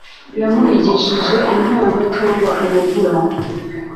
Yamuhigishije impano cyangwa umuvumo